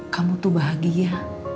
kamu tuh bahagia